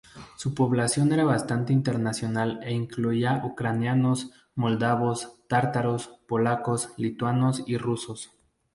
Su población era bastante internacional e incluía ucranianos, moldavos, tártaros, polacos, lituanos y rusos.